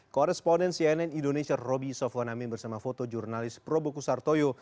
koresponden cnn indonesia roby sofwanamin bersama foto jurnalis pro bukusartoyo